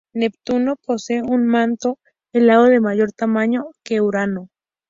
Neptuno posee un manto helado de mayor tamaño que Urano.